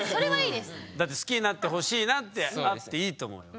だって好きになってほしいなってあっていいと思うよ。